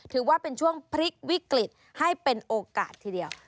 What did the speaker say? ถือว่าเป็นช่วงพลิกวิกฤตให้เป็นโอกาสทีเดียว